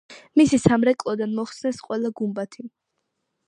მისი სამრეკლოდან მოხსნეს ყველა გუმბათი.